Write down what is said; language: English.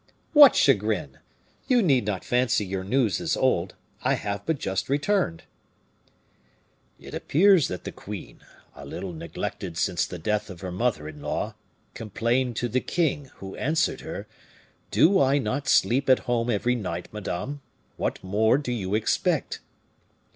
"What chagrin? You need not fancy your news is old. I have but just returned." "It appears that the queen, a little neglected since the death of her mother in law, complained to the king, who answered her, 'Do I not sleep at home every night, madame? What more do you expect?